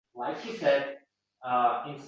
– Qo‘shiq! Azobing yaxshi!